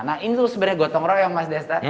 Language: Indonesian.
nah ini tuh sebenarnya gotong royong mas desra